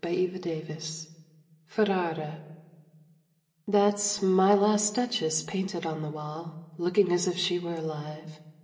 MY LAST DUCHESS Ferrara That's my last Duchess painted on the wall, Looking as if she were alive.